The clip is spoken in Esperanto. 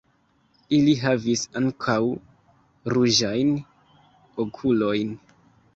Ili havas ankaŭ ruĝajn okulojn.